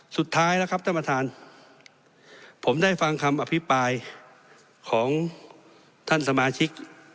สุดท้ายแล้วครับท่านประธานผมได้ฟังคำอภิปรายของท่านสมาชิก